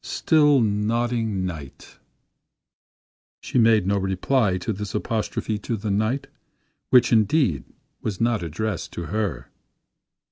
Still nodding night—'" She made no reply to this apostrophe to the night, which, indeed, was not addressed to her.